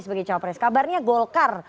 sebagai cowok pres kabarnya golkar